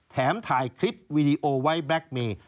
แถมถ่ายคลิปวีดีโอไว้แบล็คเมย์